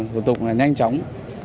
thủ tục nhanh chóng